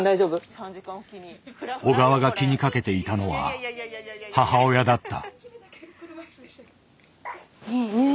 小川が気にかけていたのは母親だった。